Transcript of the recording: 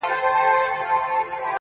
حقيقت د دود للاندي پټيږي تل